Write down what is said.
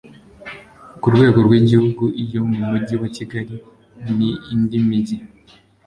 ku rwego rw'igihugu, iyo mu mujyi wa kigali n' indi migi